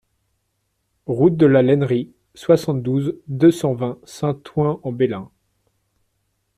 Route de la Lainerie, soixante-douze, deux cent vingt Saint-Ouen-en-Belin